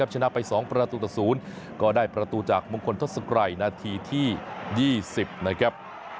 ให้ฟูเปิดบ้านต้อนรับ